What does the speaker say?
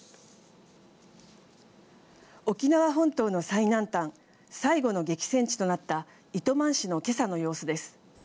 沖縄本島の最南端最後の激戦地となった糸満市の今朝の様子です。